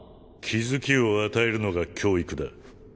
気付きを与えるのが教育だ。